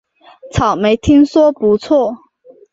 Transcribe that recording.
草莓听说不错